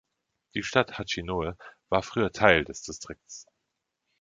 Die Stadt Hachinohe war früher Teil des Distrikts.